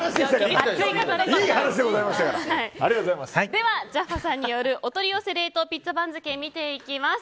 ではジャッファさんによるお取り寄せ冷凍ピッツァ番付を見ていきます。